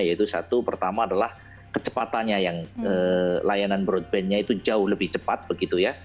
yaitu satu pertama adalah kecepatannya yang layanan broadbandnya itu jauh lebih cepat begitu ya